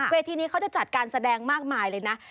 ที่นี้เขาจะจัดการแสดงมากมายเลยนะ